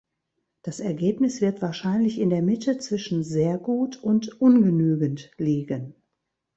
Das Ergebnis wird wahrscheinlich in der Mitte zwischen "sehr gut" und "ungenügend" liegen.